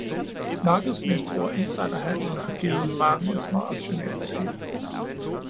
Markedsmisbrug og insiderhandel har givet mange småaktionærer tab.